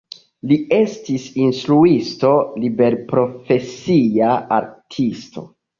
Li estis instruisto, liberprofesia artisto.